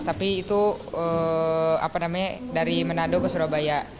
tapi itu dari manado ke surabaya